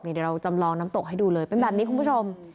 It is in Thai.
เดี๋ยวเราจำลองน้ำตกให้ดูเลยเป็นแบบนี้คุณผู้ชม